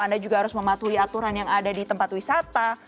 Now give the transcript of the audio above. anda juga harus mematuhi aturan yang ada di tempat wisata